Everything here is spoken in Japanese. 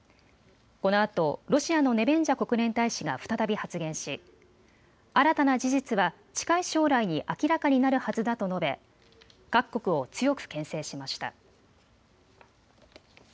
このあとロシアのネベンジャ国連大使が再び発言し新たな事実は近い将来に明らかになるはずだと述べ、各国を強くけん制しました。